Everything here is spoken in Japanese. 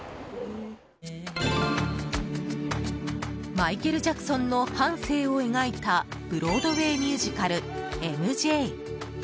マイケル・ジャクソンの半生を描いたブロードウェーミュージカル「ＭＪ」。